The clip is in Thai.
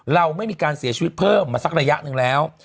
เราไม่มีการเสียชีวิตเพิ่มมาสักระยะหนึ่งแล้ว